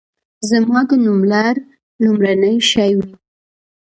زما د نوملړ لومړنی شی وي.